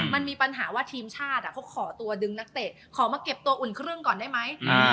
มันมีปัญหาว่าทีมชาติเขาขอตัวดึงนักเตะขอมาเก็บตัวอุ่นเครื่องก่อนได้ไหม